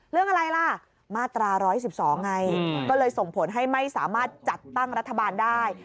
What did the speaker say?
เรื่องอะไรล่ะมาตรา๑๑๒ไงก็เลยส่งผลให้ไม่สามารถจัดตั้งรัฐบาลได้